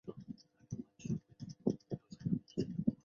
玎眼蝶属是蛱蝶科眼蝶亚科络眼蝶族中的一个属。